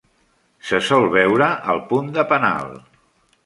Se sol veure al punt de penal.